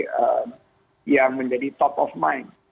sebagai definasi yang menjadi top of mind